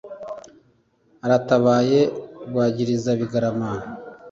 aratabaye rwagirizabigarama